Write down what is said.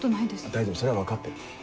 大丈夫それは分かってる。